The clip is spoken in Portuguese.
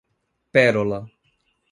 Pérola